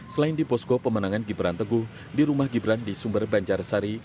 selain di posko pemenangan gibran teguh di rumah gibran di sumber banjarsari